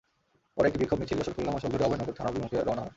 পরে একটি বিক্ষোভ মিছিল যশোর-খুলনা মহাসড়ক ধরে অভয়নগর থানা অভিমুখে রওনা হয়।